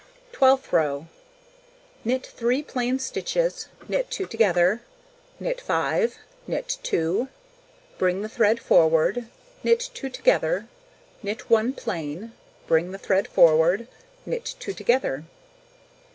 Twelfth row: Knit 3 plain stitches, knit 2 together, knit 5, knit 2, bring the thread forward, knit 2 together, knit 1 plain, bring the thread forward, knit 2 together.